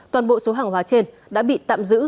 toàn bộ số hàng hóa trên đã bị tạm giữ